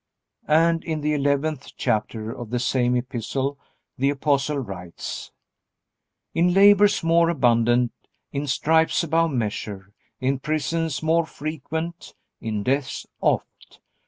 And in the eleventh chapter of the same Epistle the Apostle writes: "In labors more abundant, in stripes above measure, in prisons more frequent, in deaths oft.